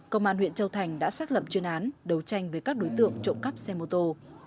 công an huyện châu thành đã xác lập chuyên án đấu tranh với các đối tượng trộm cắp xe mô tô